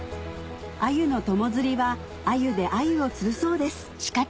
アユの友釣りはアユでアユを釣るそうです